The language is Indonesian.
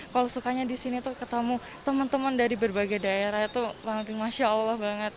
kalau sukanya disini tuh ketemu temen temen dari berbagai daerah itu banget masya allah banget